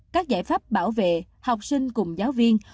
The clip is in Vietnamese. các giải pháp bảo vệ học sinh cùng giáo viên